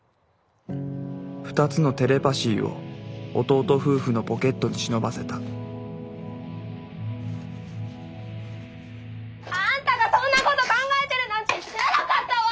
２つのテレパ椎を弟夫婦のポケットに忍ばせたあんたがそんなこと考えてるなんて知らなかったわ！